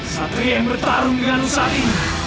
satria yang bertarung dengan usani